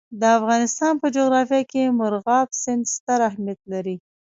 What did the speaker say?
د افغانستان په جغرافیه کې مورغاب سیند ستر اهمیت لري.